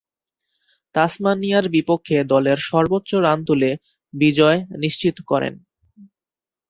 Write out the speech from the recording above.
তাসমানিয়ার বিপক্ষে দলের সর্বোচ্চ রান তুলে বিজয় নিশ্চিত করেন।